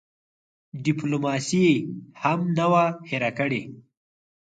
ډیپلوماسي هم نه وه هېره کړې.